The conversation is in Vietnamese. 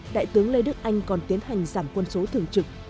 đại tướng lê đức anh còn tiến hành giảm quân số thường trực